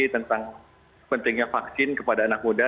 tentang pentingnya vaksin kepada anak muda